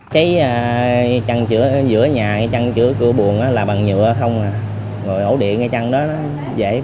cháy chăn chữa giữa nhà chăn chữa cửa buồn là bằng nhựa không ngồi ổ điện cái chăn đó dễ